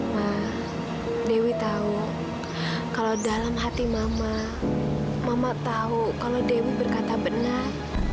mah dewi tahu kalau dalam hati mama tahu kalau dewi berkata benar